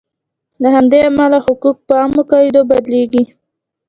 له همدې امله حقوق په عامو قاعدو بدلیږي.